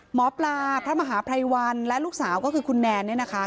หมอปลาพระมหาภัยวันและลูกสาวก็คือคุณแนนเนี่ยนะคะ